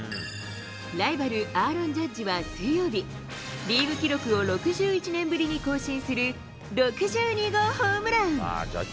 ライバル、アーロン・ジャッジは水曜日、リーグ記録を６１年ぶりに更新する６２号ホームラン。